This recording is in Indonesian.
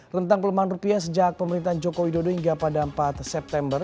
rentang pelemahan rupiah sejak pemerintahan joko widodo hingga pada empat september